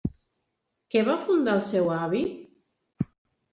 Què va fundar el seu avi?